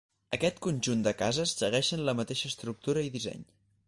Aquest conjunt de cases segueixen la mateixa estructura i disseny.